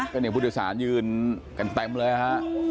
ก็พุทธศาลยืนกันเต็มเลย